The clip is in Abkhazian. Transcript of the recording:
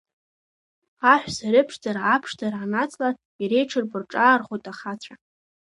Аҳәса рыԥшӡара аԥшӡара анацла, иреиҽырбо рҿаархоит ахацәа.